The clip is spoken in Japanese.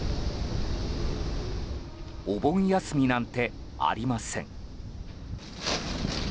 お盆休みなんてありません。